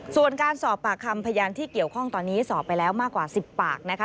ส่วนการสอบปากคำพยานที่เกี่ยวข้องตอนนี้สอบไปแล้วมากกว่า๑๐ปากนะคะ